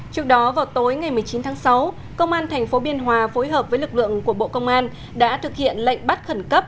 trước đó vào tối ngày một mươi chín tháng sáu công an tp biên hòa phối hợp với lực lượng của bộ công an đã thực hiện lệnh bắt khẩn cấp